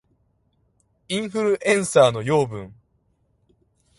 インフルエンサーの養分